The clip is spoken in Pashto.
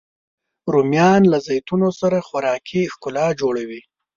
رومیان له زیتون سره خوراکي ښکلا جوړوي